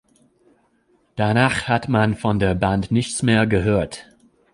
Danach hat man von der Band nichts mehr gehört.